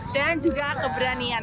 dan juga keberanian